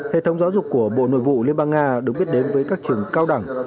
hệ thống giáo dục của bộ nội vụ liên bang nga được biết đến với các trường cao đẳng